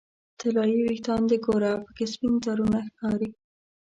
طلایې ویښان دې ګوره پکې سپین تارونه ښکاري